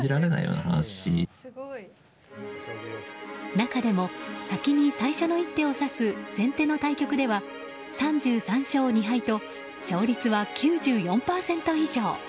中でも、先に最初の一手を指す先手の対局では３３勝２敗と勝率は９４％以上。